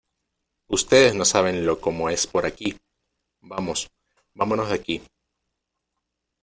¡ Ustedes no saben lo como es por aquí! Vamos, vámonos de aquí.